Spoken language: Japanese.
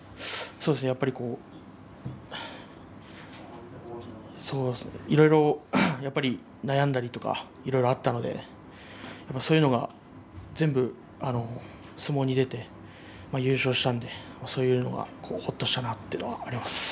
そうですね、やっぱりいろいろ悩んだりとかいろいろあったのでそういうのが全部相撲に出て優勝したのでそういうのがほっとしたなというのがあります。